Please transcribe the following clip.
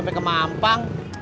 sampe ke mampang